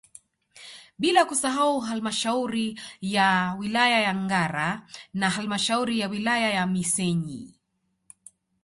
Bila kusahau halmashauri ya wilaya ya Ngara na halmashauri ya wilaya ya Misenyi